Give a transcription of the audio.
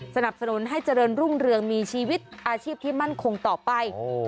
สนับสนุนให้เจริญรุ่งเรืองมีชีวิตอาชีพที่มั่นคงต่อไป